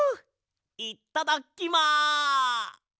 いっただきま。